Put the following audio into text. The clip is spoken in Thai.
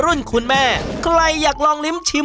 พริกแค่นี้ค่ะพริกแค่นี้ค่ะพริกแค่นี้ค่ะ